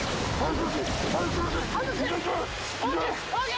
ＯＫ！